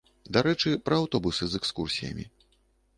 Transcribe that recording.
Дарэчы, пра аўтобусы з экскурсіямі.